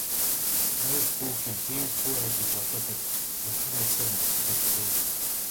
АЙвал бүү хий, хийвэл бүү ай гэж одоо бид ухрах няцахыг мартах хэрэгтэй.